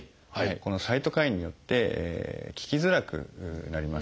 このサイトカインによって効きづらくなります。